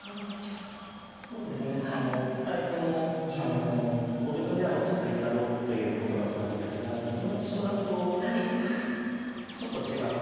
そうですねお二人ともご自分では落ち着いた碁ということだったんですけども僕の印象だとちょっと違って。